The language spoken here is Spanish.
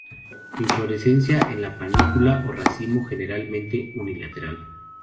Inflorescencia en panícula o en racimo, generalmente unilateral.